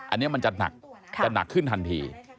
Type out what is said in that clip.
อันนี้มันจะหนักจะหนักขึ้นทันที